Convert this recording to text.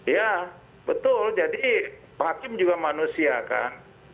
ya betul jadi hakim juga manusia kan